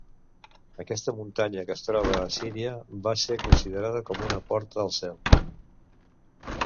Aquesta muntanya, que es troba a Síria, va ser considerada com una porta al cel.